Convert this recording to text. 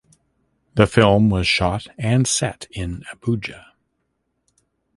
The film was shot and set in Abuja.